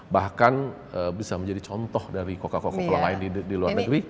bahkan bisa menjadi contoh dari coca coca cola lain di luar negeri